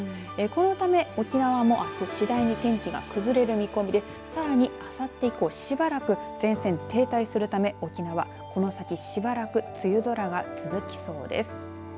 このため、沖縄もあす次第に天気が崩れる見込みでさらに、あさって以降しばらく前線、停滞するため沖縄、この先しばらく梅雨空が続きそうです。